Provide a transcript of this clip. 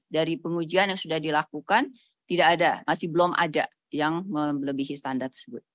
dari pengujian yang sudah dilakukan tidak ada masih belum ada yang melebihi standar tersebut